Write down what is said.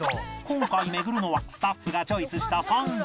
今回巡るのはスタッフがチョイスした３軒